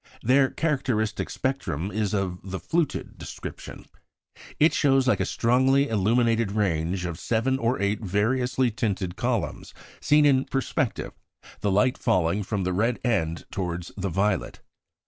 Their characteristic spectrum is of the "fluted" description. It shows like a strongly illuminated range of seven or eight variously tinted columns seen in perspective, the light falling from the red end towards the violet.